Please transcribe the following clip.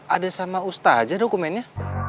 ada sama usta aja dokumennya